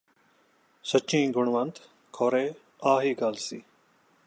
ਸੱਚੀ ਗੁਣਵੰਤ ਖੋਰੇ ਆ ਹੀ ਗੱਲ ਸੀ